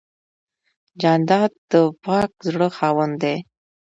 جانداد د پاک زړه خاوند دی.